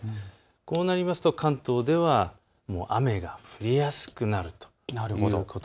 こうなりますと関東では雨が降りやすくなる。